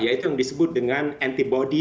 yaitu yang disebut dengan antibody